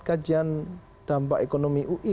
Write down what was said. kajian dampak ekonomi ui